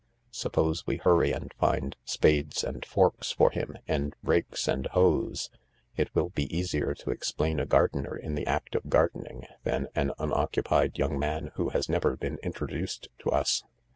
Suppose we hurry and find spades and forks for him, and rakes and hoes ; it will be easier to explain a gardener in the act of gardening than an unoccupied young man who has never been intro duced to us."